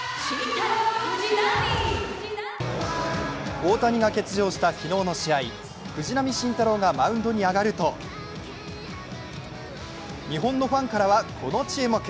大谷が欠場した昨日の試合、藤浪晋太郎がマウンドに上がると日本のファンからはこの注目。